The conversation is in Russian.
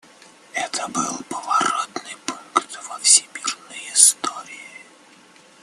Это был поворотный пункт во всемирной истории.